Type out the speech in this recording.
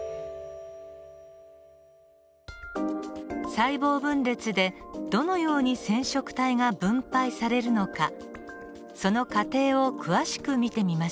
細胞分裂でどのように染色体が分配されるのかその過程を詳しく見てみましょう。